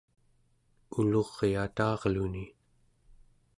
uluryata'arluni